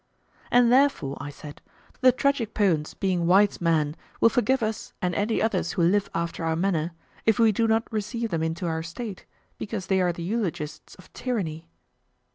And therefore, I said, the tragic poets being wise men will forgive us and any others who live after our manner if we do not receive them into our State, because they are the eulogists of tyranny.